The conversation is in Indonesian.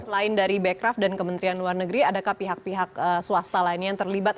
selain dari bekraf dan kementerian luar negeri adakah pihak pihak swasta lainnya yang terlibat